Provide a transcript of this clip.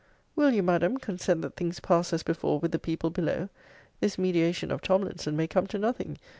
Will you, Madam, consent that things pass as before with the people below? This mediation of Tomlinson may come to nothing.